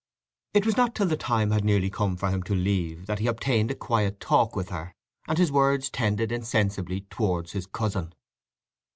It was not till the time had nearly come for him to leave that he obtained a quiet talk with her, and his words tended insensibly towards his cousin.